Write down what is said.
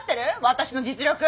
私の実力。